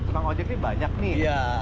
tukang ojek ini banyak nih